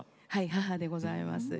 母でございます。